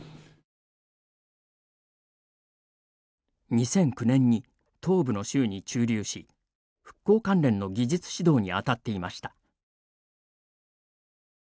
２００９年に東部の州に駐留し復興関連の技術指導に当たっていました。